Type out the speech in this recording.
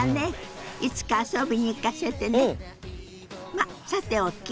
まあさておき